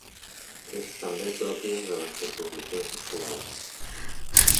És també pròpia de les composicions escolars.